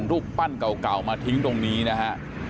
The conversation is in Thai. รูปปั้นเก่ามาทิ้งตรงนี้นะฮะ